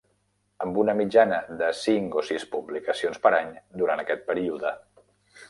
Amb una mitjana de cinc o sis publicacions per any durant aquest període.